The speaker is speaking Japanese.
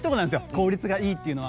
効率がいいっていうのは。